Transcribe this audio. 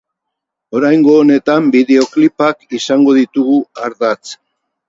Oraingo honetan bideoklipak izango ditugu ardatz.